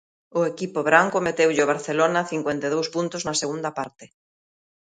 O equipo branco meteulle ao Barcelona cincuenta e dous puntos na segunda parte.